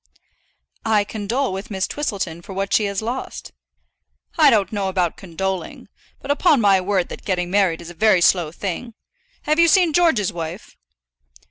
"I condole with Miss Twistleton for what she has lost." "I don't know about condoling. But upon my word that getting married is a very slow thing. Have you seen George's wife?"